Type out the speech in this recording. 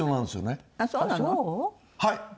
はい。